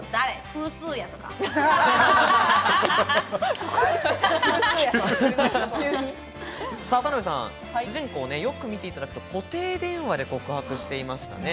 フー田辺さん、主人公をよく見ていただくと、固定電話で告白していましたね。